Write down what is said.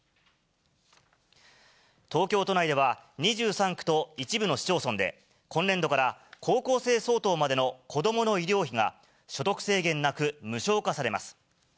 東京都内では、２３区と一部の市町村で、今年度から高校生相当までの子どもの医療費が、所得制限なく無償化されます。